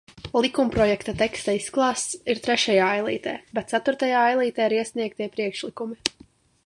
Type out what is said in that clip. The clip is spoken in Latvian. Likumprojekta teksta izklāsts ir trešajā ailītē, bet ceturtajā ailītē ir iesniegtie priekšlikumi.